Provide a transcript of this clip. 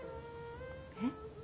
えっ？